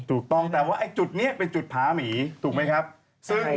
ถูกต้องแต่ว่าไอ้จุดนี้เป็นจุดผาหมีถูกไหมครับ